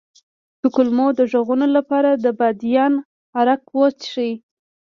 د کولمو د غږونو لپاره د بادیان عرق وڅښئ